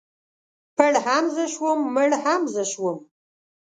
پړ هم زه شوم مړ هم زه شوم.